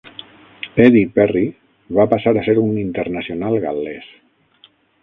Eddie Perry va passar a ser un internacional gal·lès.